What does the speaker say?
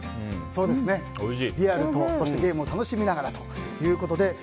リアルとゲームを楽しみながらということで。